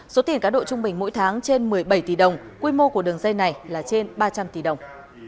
số tiền cá độ trung bình mỗi tháng trên một mươi bảy tỷ đồng quy mô của đường dây này là trên ba trăm linh tỷ đồng